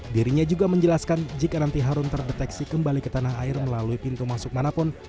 dirinya juga menjelaskan jika nanti harun terdeteksi kembali ke tanah air melalui pintu masuk manapun